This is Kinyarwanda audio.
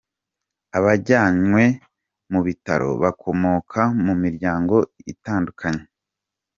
Abajyanywe mu bitaro bakomoka mu miryango itandukanye.